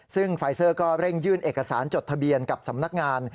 ซึ่งไฟเซอร์ก็เร่งยื่นเอกสารจดทะเบียนกับสำนักงาน